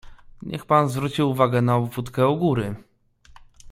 "Niech pan zwróci uwagę na obwódkę u góry."